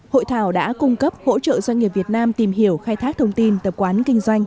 hội thảo đã cung cấp hỗ trợ doanh nghiệp việt nam tìm hiểu khai thác thông tin tập quán kinh doanh